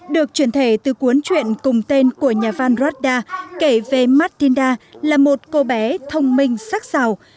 được truyền thể từ cuốn chuyện cùng tên của nhà văn radar kể về martinda là một cô bé thông minh sắc xào